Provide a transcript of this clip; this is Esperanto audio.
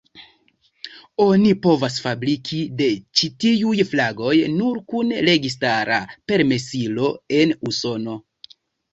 Oni povas fabriki de ĉi tiuj flagoj nur kun registara permesilo en Usono.